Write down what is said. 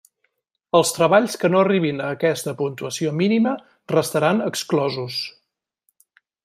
Els treballs que no arribin a aquesta puntuació mínima restaran exclosos.